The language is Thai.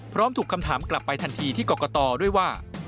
ถูกคำถามกลับไปทันทีที่กรกตด้วยว่า